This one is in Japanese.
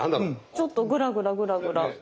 ちょっとグラグラグラグラ。